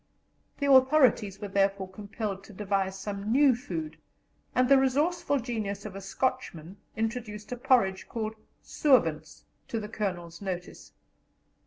The authorities were therefore compelled to devise some new food, and the resourceful genius of a Scotchman introduced a porridge called "sowens" to the Colonel's notice.